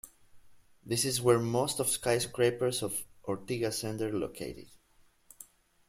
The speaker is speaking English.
This is where most of skyscrapers of Ortigas Center located.